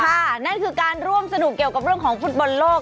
นั่นคือการร่วมสนุกเกี่ยวกับเรื่องของฟุตบอลโลก